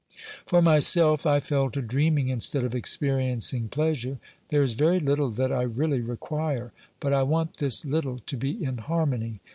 For myself, I fell to dreaming instead of experiencing pleasure. There is very little that I really require, but I want this little to be in harmony.